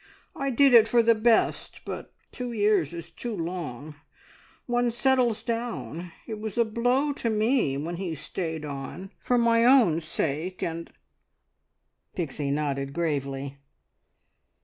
I did it for the best, but two years is too long. One settles down. It was a blow to me when he stayed on, for my own sake, and " Pixie nodded gravely.